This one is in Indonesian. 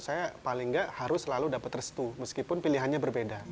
saya paling nggak harus selalu dapat restu meskipun pilihannya berbeda